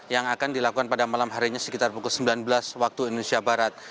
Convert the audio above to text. yang akan dilakukan pada malam harinya sekitar pukul sembilan belas waktu indonesia barat